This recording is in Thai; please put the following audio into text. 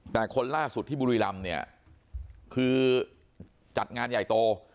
แต่คนล่าสุดที่บุรีรำเนี่ยคือจัดงานใหญ่โต